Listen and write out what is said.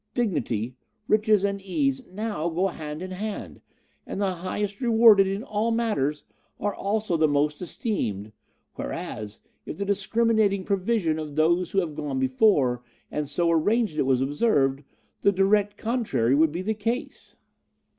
Dignity, riches and ease now go hand in hand, and the highest rewarded in all matters are also the most esteemed, whereas, if the discriminating provision of those who have gone before and so arranged it was observed, the direct contrary would be the case.